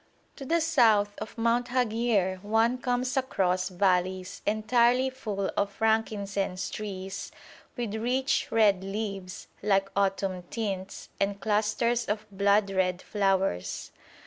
To the south of Mount Haghier one comes across valleys entirely full of frankincense trees, with rich red leaves, like autumn tints, and clusters of blood red flowers.